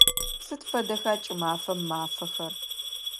Сыд фэдэха кӏымафэм мафэхэр?